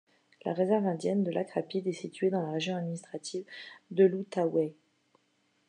La réserve indienne de Lac-Rapide est située dans la région administrative de l'Outaouais.